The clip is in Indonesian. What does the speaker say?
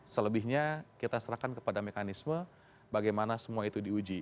selebihnya kita serahkan kepada mekanisme bagaimana semua itu diuji